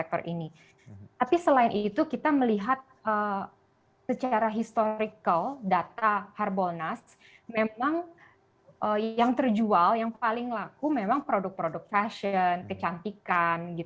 tapi selain itu kita melihat secara historical data harbolnas memang yang terjual yang paling laku memang produk produk fashion kecantikan